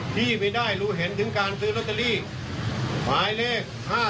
พี่ไม่ได้รู้เห็นถึงการซื้อลอตเตอรี่หมายเลข๕๗